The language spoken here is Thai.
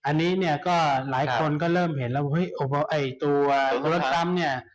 อันนี้เนี่ยก็หลายคนก็เริ่มเห็นแล้วเห้ยตัวนักศึกษรัพย์เนี่ย